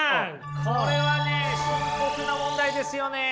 これはね深刻な問題ですよね。